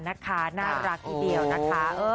น่ารักทีเดียวนะคะ